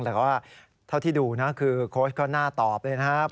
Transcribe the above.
แต่ว่าเท่าที่ดูนะคือโค้ชก็น่าตอบเลยนะครับ